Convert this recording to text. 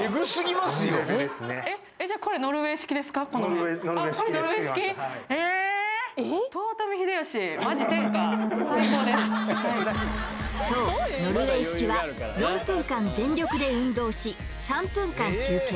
ノルウェー式ですへえそうノルウェー式は４分間全力で運動し３分間休憩